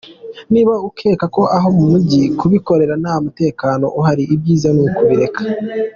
Niba ukeka ko aho mugiye kubikorera nta mutekano uhari, ibyiza ni ukubireka.